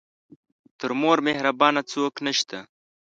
تر مور مهربانه څوک نه شته .